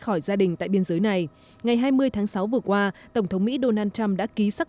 khỏi gia đình tại biên giới này ngày hai mươi tháng sáu vừa qua tổng thống mỹ donald trump đã ký xác